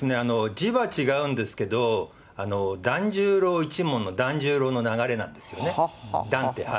字は違うんですけど、團十郎一門の團十郎の流れなんですよね、段って。